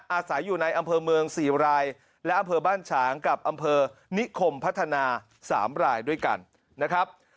อาศัยอยู่ในอำเภอเมือง๔รายและอำเภอบ้านฉางกับอำเภอนิคมพัฒนา๓รายด้วยกันนะครับ